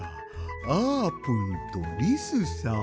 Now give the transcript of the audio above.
あーぷんとリスさん。